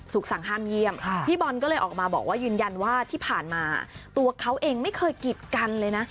สั่งห้ามเยี่ยมพี่บอลก็เลยออกมาบอกว่ายืนยันว่าที่ผ่านมาตัวเขาเองไม่เคยกิดกันเลยนะ